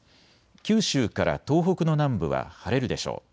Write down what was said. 九州から東北の南部は晴れるでしょう。